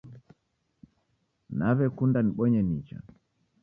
Naw'ekunda nibonye nicha